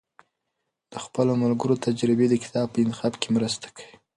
د خپلو ملګرو تجربې د کتاب په انتخاب کې مرسته کوي.